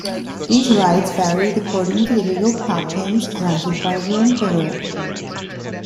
These rights varied according to the legal patents granted by the emperor.